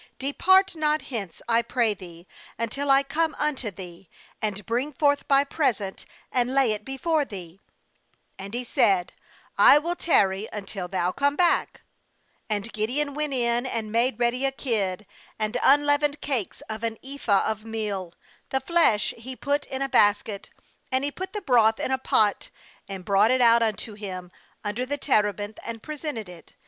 "Depart not hence, I pray thee, until I come unto thee, and bring forth my present, and lay it before thee ' And he said: *I will tarry until thou come back/ 19And Gideon went in, and made ready a kid, and unleavened cakes of an ephah of meal; the flesh he put in a basket, and he put the broth in a pot, and brought it out unto him under the terebinth, and presented it.